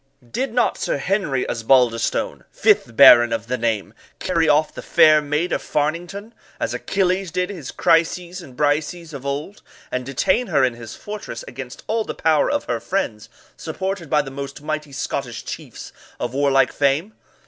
Did not Sir Henry Osbaldistone, fifth baron of the name, carry off the fair maid of Fairnington, as Achilles did his Chryseis and Briseis of old, and detain her in his fortress against all the power of her friends, supported by the most mighty Scottish chiefs of warlike fame?